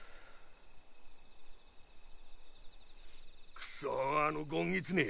くそあのごんぎつね